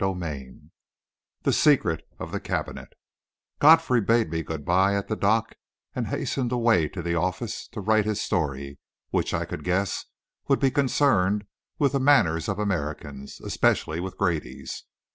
CHAPTER XXIV THE SECRET OF THE CABINET Godfrey bade me good bye at the dock and hastened away to the office to write his story, which, I could guess, would be concerned with the manners of Americans, especially with Grady's.